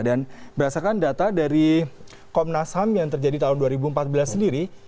dan berdasarkan data dari komnas ham yang terjadi tahun dua ribu empat belas sendiri